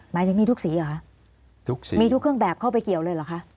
หมายถึงมีทุกสีเหรอคะทุกสีมีทุกเครื่องแบบเข้าไปเกี่ยวเลยเหรอคะ